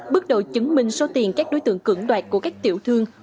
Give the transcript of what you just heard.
bước đầu chứng minh số tiền các đối tượng cưỡng đoạt của các tiểu thương